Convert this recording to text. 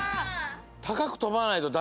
たかくとばないとダメじゃん。